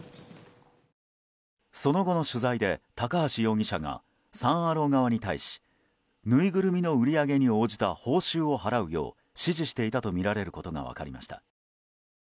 その後の取材で、高橋容疑者がサン・アロー側に対しぬいぐるみの売り上げに応じた報酬を払うよう指示していたとみられることが分かりました。